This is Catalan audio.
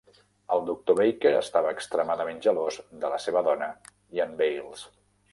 El doctor Baker estava extremadament gelós de la seva dona i en Bales.